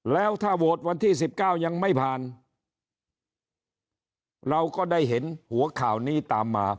แล้วถ้าโหวตวันที่สิบเก้ายังไม่ผ่านเราก็ได้เห็นหัวข่าวนี้ตามมา